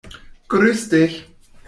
Grüß dich!